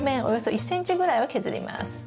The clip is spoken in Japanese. およそ１ｃｍぐらいを削ります。